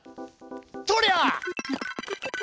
とりゃ！